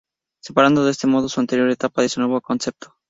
Separando de este modo su anterior etapa de su nuevo concepto.